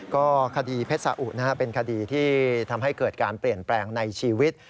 ก็คดีเพชรสาอุเป็นคดีที่ทำให้เกิดการเปลี่ยนแปลงในชีวิต